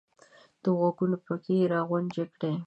د غوږونو پکې یې را غونجې کړې !